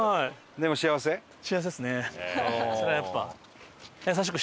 それはやっぱ。